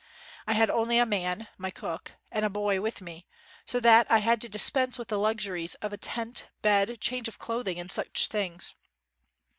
I had only a man (my cook) and a boy with me, so that I had to dispense with the luxuries of a tent, bed, change of cloth ing, and such things.